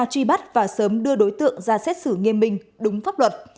truy bắt và sớm đưa đối tượng ra xét xử nghiêm minh đúng pháp luật